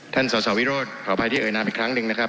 สสวิโรธขออภัยที่เอ่ยนามอีกครั้งหนึ่งนะครับ